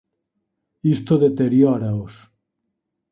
Isto deterióraos.